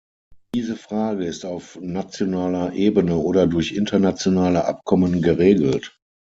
Diese Frage ist auf nationaler Ebene oder durch internationale Abkommen geregelt.